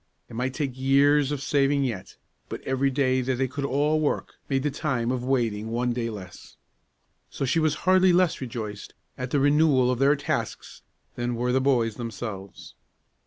It might take years of saving yet, but every day that they could all work made the time of waiting one day less. So she was hardly less rejoiced at the renewal of their tasks than were the boys themselves.